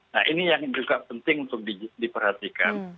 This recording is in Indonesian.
nah ini yang juga penting untuk diperhatikan